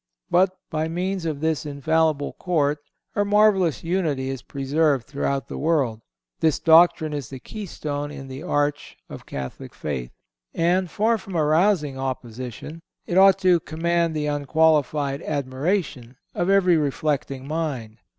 But by means of this infallible court her marvellous unity is preserved throughout the world. This doctrine is the keystone in the arch of Catholic faith, and, far from arousing opposition, it ought to command the unqualified admiration of every reflecting mind.